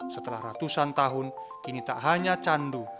setelah ratusan tahun kini tak hanya candu